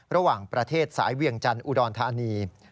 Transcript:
ระหว่างประเทศสายเวียงจันทร์อุดรธานี